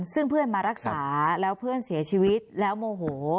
ซึ่งเพื่อนมารักษาแล้วเพื่อนเสียชีวิตแล้วโมโห